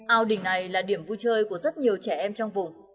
ao đình này là điểm vui chơi của rất nhiều trẻ em trong vùng